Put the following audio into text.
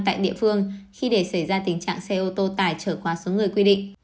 tại địa phương khi để xảy ra tình trạng xe ô tô tải trở qua số người quy định